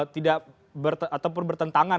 tidak ataupun bertentangan